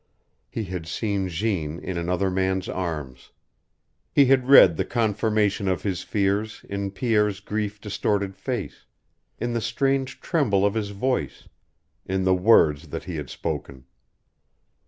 He had seen Jeanne in another man's arms; he had read the confirmation of his fears in Pierre's grief distorted face, in the strange tremble of his voice, in the words that he had spoken.